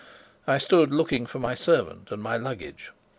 I stood looking for my servant and my luggage.